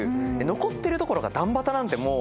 残ってるところが段畑なんてもう。